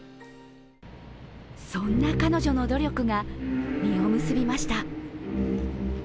そんな彼女の努力が実を結びました。